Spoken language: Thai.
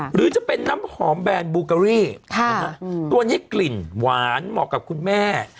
หรือจะเป็นน้ำหอมแบรนดบูเกอรี่ตัวนี้กลิ่นหวานเหมาะกับคุณแม่